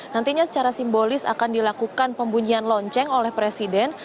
nantinya secara simbolis akan dilakukan pembunyian lonceng oleh presiden